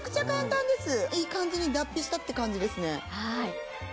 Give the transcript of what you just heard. いい感じに脱皮したって感じですね。